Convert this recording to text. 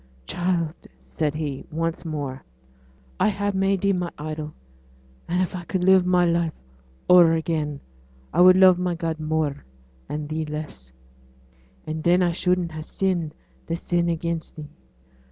'Child,' said he, once more. 'I ha' made thee my idol; and if I could live my life o'er again I would love my God more, and thee less; and then I shouldn't ha' sinned this sin against thee.